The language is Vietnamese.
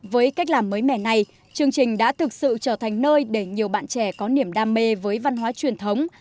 với cách làm mới mẻ này chương trình đã thực sự trở thành nơi để nhiều bạn trẻ có niềm đam mê với văn hóa truyền thống